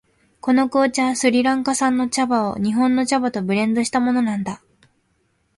この紅茶はスリランカ産の茶葉を日本の茶葉とブレンドしたものなんだ。